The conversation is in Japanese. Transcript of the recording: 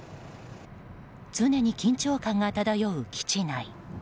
常に緊張感が漂う基地内。